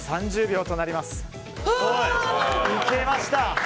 いけました！